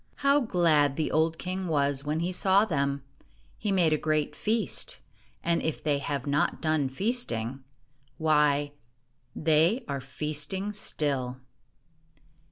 How glad the old king was when he saw them ! He made a great feast; and if they have not done feasting — why, they are feasting still.